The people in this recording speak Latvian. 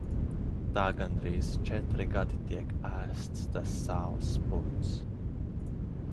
Tā gandrīz četri gadi tiek ēsts tas sāls puds.